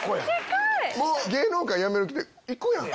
芸能界やめる気で行くやんか。